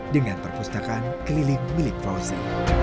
dengan perpustakaan keliling keliling fawzi